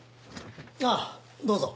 ああどうぞ。